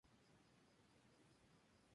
Yacimiento de uranio.